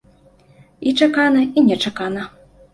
І чакана, і нечакана.